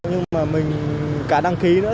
nhưng mà mình cả đăng ký nữa